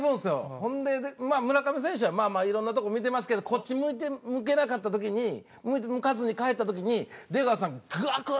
ほんで村上選手はまあまあいろんなとこ見てますけどこっち向けなかった時に向かずに帰った時に出川さんガク！